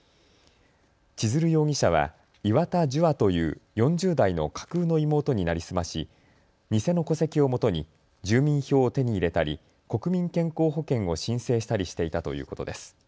千鶴容疑者は岩田樹亞という４０代の架空の妹に成り済まし偽の戸籍をもとに住民票を手に入れたり国民健康保険を申請したりしていたということです。